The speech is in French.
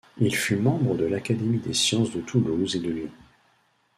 Il fut membre de l'Académie des sciences de Toulouse et de Lyon.